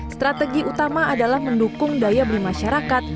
strategi utama adalah mendukung daya beli masyarakat